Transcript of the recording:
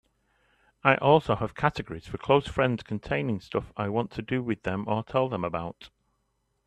I also have categories for close friends containing stuff I want to do with them or tell them about.